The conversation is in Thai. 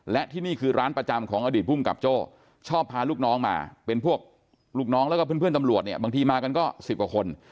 และที่นี่คือร้านประจำของอดีตภูมิกับโจ้ชอบพาลูกน้องมาเป็นพวกลูกน้องแล้วก็เพื่อนตำรวจเนี่ยบางทีมากันก็๑๐กว่าคน